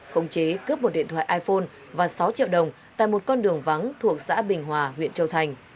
khống chế cướp một điện thoại iphone và sáu triệu đồng tại một con đường vắng thuộc xã bình hòa huyện châu thành